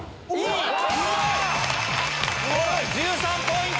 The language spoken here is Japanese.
１３ポイント！